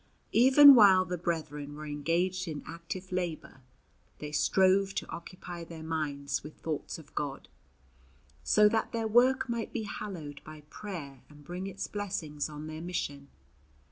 Even while the brethren were engaged in active labour, they strove to occupy their minds with thoughts of God, so that their work might be hallowed by prayer and bring its blessings on their mission.